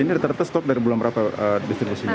ini ternyata stok dari bulan berapa distribusinya